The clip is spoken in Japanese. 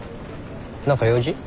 何か用事？